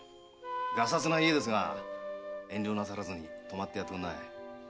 がさつな家ですが遠慮なさらず泊まってやっておくんなさい。